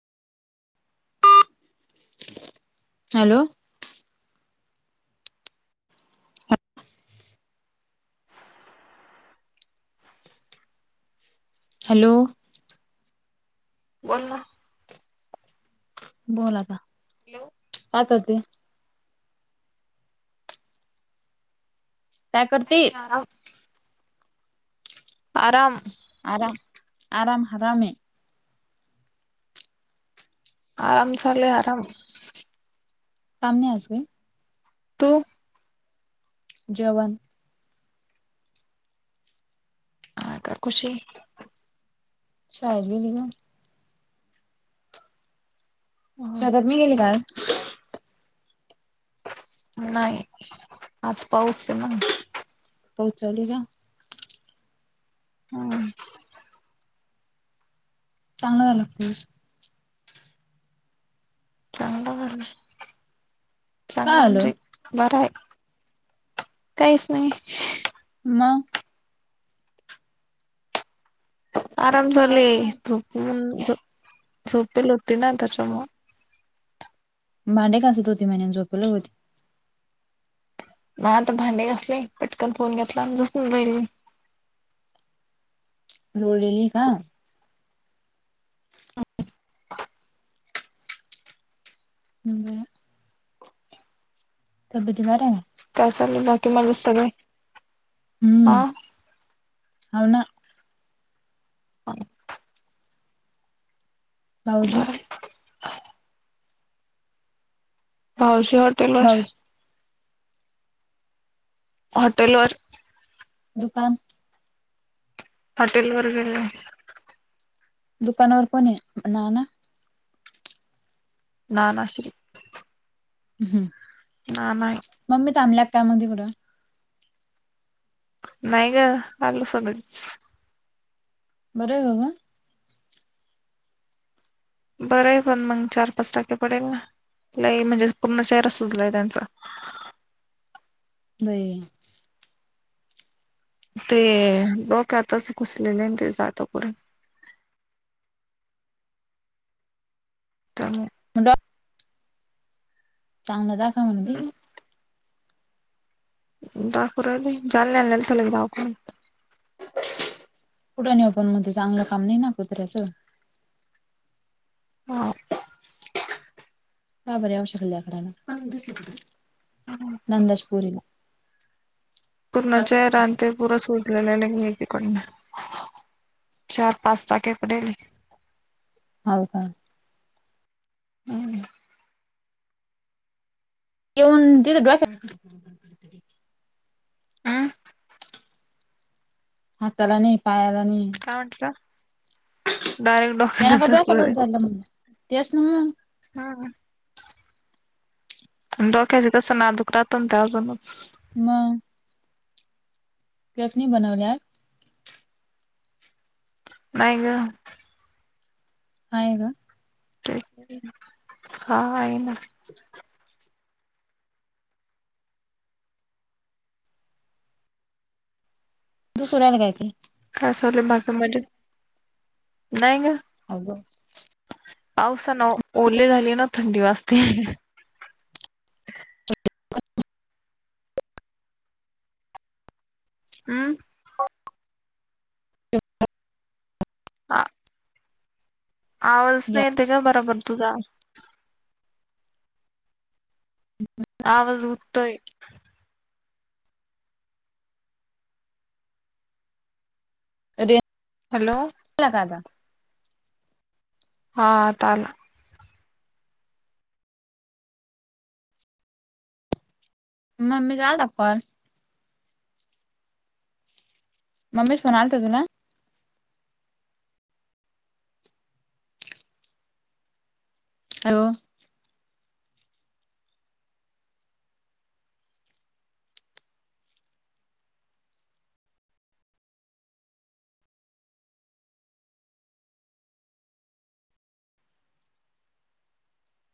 hello hello बोल ना बला आता हॅलो कातते काय करतील ह फराम आरा आराम हराम य आराम झाले आराम कामने आजगे तो जेवण ह का खुशी शाळेत गेली ग शतात मी गेली का नाही आज पाऊस ना पाऊस चालुय का हम चांगलं झाला पाऊस चांगला झाला चांगला काय आलं म्हणजे बरा आहे काहीच नाही मग आराम आवाज चालुय कोणाचा झोपून झोपेल होते ना त्याच्यामुळ भांडे घासत होती म्हणे झोपलं होती ना आता भांडे घासले पटकन फोन घेतला झोपुन राहिल लोडलेली का ह तब्येती बरे आहे काय चालूलं की मजेत सगळे हम्म हा हाव ना ह भाऊजी भाऊजी हॉटेल वर भाऊजी हॉटेल वर दुकान हॉटेल वर गेले दुकानावर कोण आहे नाना नानाश्री हम्म नाना ये ममी थांबल्यात काय मग तिकडं नाही ग आलो सगळीच बरं आहे का ग बरं आहे पण मग चार, पाच टाके पडेल ना लई म्हणजे पूर्ण चेहराच सुजलाय त्यांचा बई ते डोक्यातच घुसलेलेय ते जात कुठ त्यामुळे चांगलं दाख म्हण बी दाखू राहिले जालन्याला न्यायला चाललय दवाखान्यात कुठं न्यू पण मग ते चांगलं काम नाही ना कुत्र्याचं ह हा बर्यावश्य लेकराला नंदच्या पोरीला पूर्ण चेहरा आणि ते पुरं सोजलेलं एकीकडन चार, पाच टाके पडेले हाव का हम् ये उंदीर गप हम्म हाताला नाही पायाला नाही का म्हटल डायरेक्ट डॉ त्यांना प डोक्यालाच झालं म्हण तेच ना मग हा डोक्याचे कसं नाजूक राहतो ना ते अजूनच मंग चटणी बनवली आज नाही ग आहे ग हा आहे ना दुखू राहील काय त्ये का चाललय बाकी मजेत नाही ग अग पाऊसा ना ओले झाली ना थंडी वाजते हम् आ आवाज या नाई येते ग बराबर तुझा ह आवाज उत्तोय रें हॅलो आला का आता हा आता आला मम्मी चा आलता का फोन मम्मीच फोन आलता तुला हॅलो